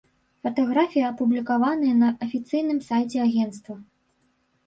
Фатаграфіі апублікаваныя на афіцыйным сайце агенцтва.